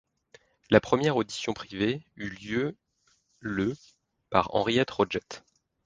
La première audition privée eut lieu le par Henriette Roget.